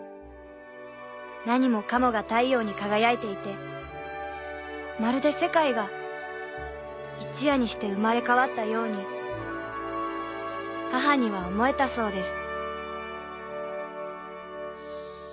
何もかもが太陽に輝いていてまるで世界が一夜にして生まれ変わったように母には思えたそうです